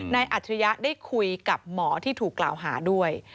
อัจฉริยะได้คุยกับหมอที่ถูกกล่าวหาด้วย